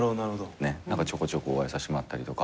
ちょこちょこお会いさせてもらったりとか。